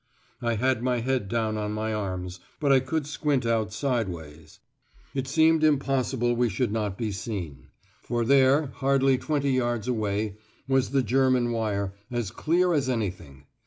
I had my head down on my arms, but I could squint out sideways. It seemed impossible we should not be seen; for there, hardly twenty yards away, was the German wire, as clear as anything.